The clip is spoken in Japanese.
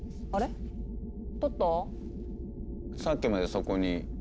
さっきまでそこに。